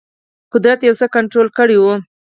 قدرت یو څه کنټرول کړی وو.